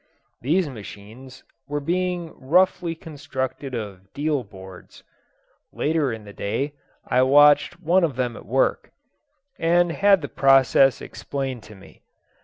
These machines were being roughly constructed of dealboards. Later in the day I watched one of them at work, and had the process explained to me.